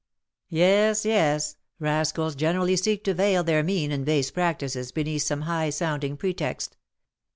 '" "Yes, yes, rascals generally seek to veil their mean and base practices beneath some high sounding pretext.